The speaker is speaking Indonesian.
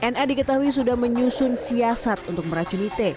na diketahui sudah menyusun siasat untuk meracuni t